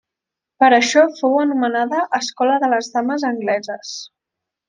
Per això fou anomenada Escola de les Dames Angleses.